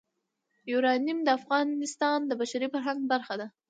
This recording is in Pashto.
یورانیم د افغانستان د بشري فرهنګ برخه ده.